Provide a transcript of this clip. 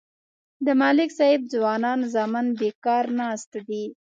د ملک صاحب ځوانان زامن بیکار ناست دي.